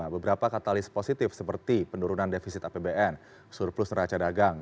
beberapa katalis positif seperti penurunan defisit apbn surplus neraca dagang